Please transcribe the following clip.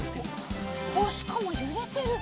おしかもゆれてる。